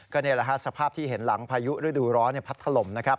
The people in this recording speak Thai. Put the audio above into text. ก็ในสภาพที่เห็นหลังพายุฤดูร้อนพัดถล่มนะครับ